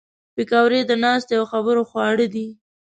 پکورې د ناستې او خبرو خواړه دي